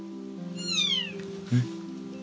えっ？